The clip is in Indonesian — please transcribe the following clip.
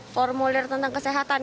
formulir tentang kesehatan